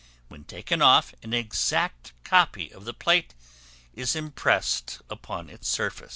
When taken off, an exact copy of the plate is impressed upon its surface.